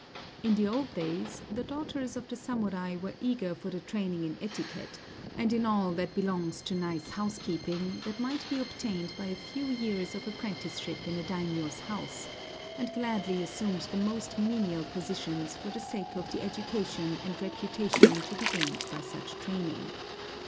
In the old days, the daughters of the samurai were eager for the training in etiquette, and in all that belongs to nice housekeeping, that might be obtained by a few years of apprenticeship in a daimiō's house, and gladly assumed the most menial positions for the sake of the education and reputation to be gained by such training.